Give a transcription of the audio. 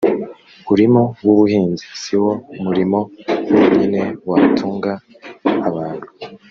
umurimo w' ubuhinzi siwo murimo wonyine watunga abantu